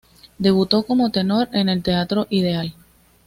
Debutó como tenor en el Teatro Ideal.